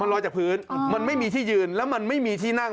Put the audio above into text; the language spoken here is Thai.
ลอยจากพื้นมันไม่มีที่ยืนแล้วมันไม่มีที่นั่ง